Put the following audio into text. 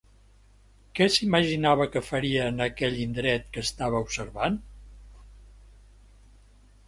Què s'imaginava que faria en aquell indret que estava observant?